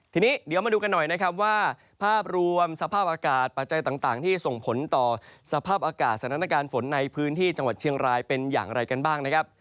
ทีนี้เดี๋ยวมาดูกันหน่อยนะครับว่าภาพรวมสภาพอากาศปัจจัยต่างที่ส่งผลต่อสภาพอากาศสถานการณ์ฝนในพื้นที่จังหวัดเชียงรายเป็นอย่างไรกันบ้างนะครับ